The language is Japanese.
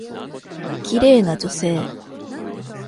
綺麗な女性。